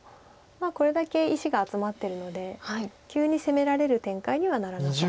これだけ石が集まってるので急に攻められる展開にはならなそうです。